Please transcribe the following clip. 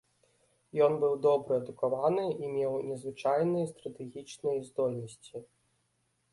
Ён быў добра адукаваны і меў незвычайныя стратэгічныя здольнасці.